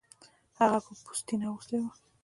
هغه به پوستین اغوستې وې